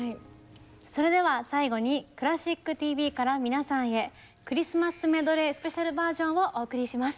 それでは最後に「クラシックＴＶ」から皆さんへクリスマスメドレースペシャルバージョンをお送りします。